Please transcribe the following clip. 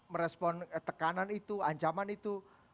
merespon tekanan itu ancaman itu